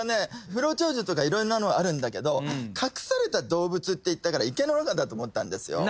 不老長寿とかいろんなのあるんだけど隠された動物っていったから池の中だと思ったんですよ。